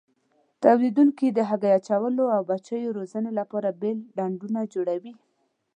تولیدوونکي د هګۍ اچولو او بچیو روزنې لپاره بېل ډنډونه جوړوي.